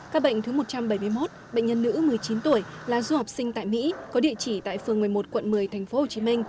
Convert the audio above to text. các bệnh thứ một trăm bảy mươi một bệnh nhân nữ một mươi chín tuổi là du học sinh tại mỹ có địa chỉ tại phường một mươi một quận một mươi tp hcm